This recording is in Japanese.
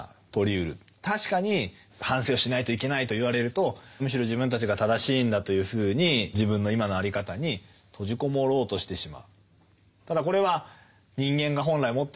確かに反省をしないといけないと言われるとむしろ自分たちが正しいんだというふうに自分の今の在り方に閉じ籠もろうとしてしまう。